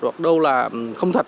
hoặc đâu là không thật